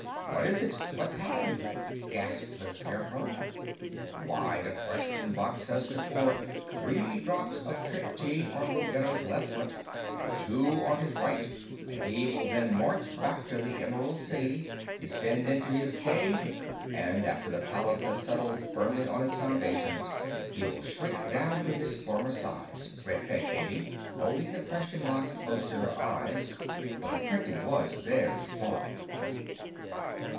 "What is it? What's happened?" gasped the Scarecrow. "Why, the Question Box says to pour three drops of Trick Tea on Ruggedo's left foot and two on his right and he will then march back to the Emerald City, descend into his cave and, after the palace has settled firmly on its foundations, he will shrink down to his former size," read Peg Amy, holding the Question Box close to her eyes, for the printing was very small.